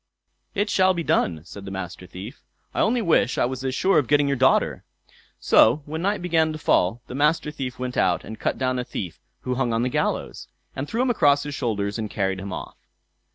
"It shall be done", said the Master Thief. "I only wish I was as sure of getting your daughter." So when night began to fall, the Master Thief went out and cut down a thief who hung on the gallows, and threw him across his shoulders, and carried him off.